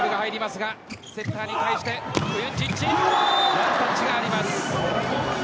ワンタッチがあります。